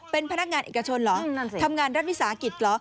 เป็นพนักงานเอกชนเหรอทำงานรัฐวิสาหกิจเหรอ